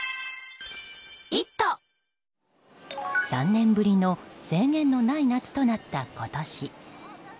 ３年ぶりの制限のない夏となった今年。